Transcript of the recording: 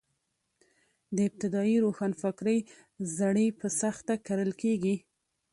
د ابتدايي روښانفکرۍ زړي په سخته کرل کېږي.